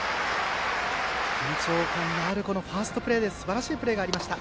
緊張感のあるファーストプレーですばらしいプレーがありました。